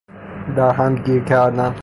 در هم گیر کردن